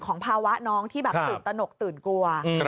ของภาวะน้องที่ตื่นตนกตื่นกลัว